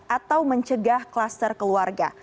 atau mencegah kluster keluarga